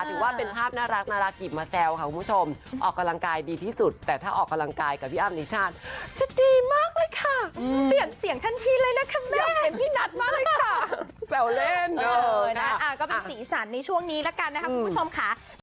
ถือว่าเป็นภาพน่ารักหยิบมาแซวค่ะคุณผู้ชมออกกำลังกายดีที่สุด